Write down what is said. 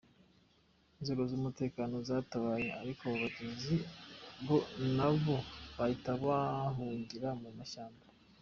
Inzego z’umutekano zatabaye ariko abo bagizi ba nabo bahita bahungira mu mashyamba.